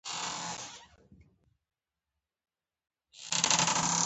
چې کله کله د روغتون په باغ کښې وګرځم.